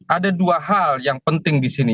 ada dua hal yang penting di sini